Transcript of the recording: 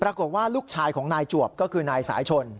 ปรากฏว่าลูกชายของนายจวบก็คือนายสายชน